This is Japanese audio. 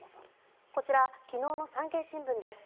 こちら昨日の産経新聞です。